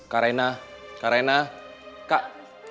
kak raina kak raina kak